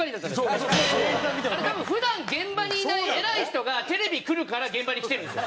あれ多分普段現場にいない偉い人がテレビ来るから現場に来てるんですよ。